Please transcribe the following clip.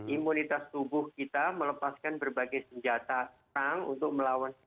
imunitas tubuh kita melepaskan berbagai senjata perang untuk melawan